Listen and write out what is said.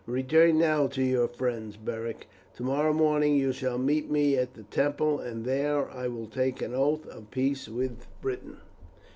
Return now to your friends, Beric; tomorrow morning you shall meet me at the temple, and there I will take an oath of peace with Britain."